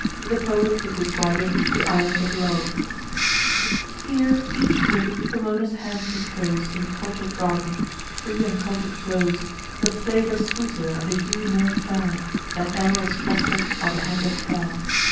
The poet is describing the Island of Love: "... here each gift Pomona's hand bestows In cultured garden, free uncultured flows, The flavor sweeter and the hue more fair Than e'er was fostered by the hand of care.